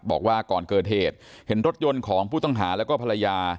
บอกว่าก่อนเกิดเหตุเห็นรถยนต์ของผู้ต้องหาแล้วก็ภรรยา